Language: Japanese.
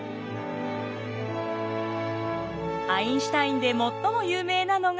アインシュタインで最も有名なのが。